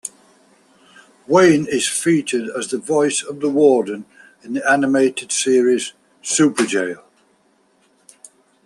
Wain is featured as the voice of The Warden in the animated series "Superjail!".